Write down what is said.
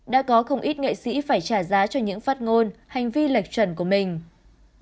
đã có không ít nghệ sĩ phải trả giá cho những phát ngôn hành vi lệch chuẩn của mình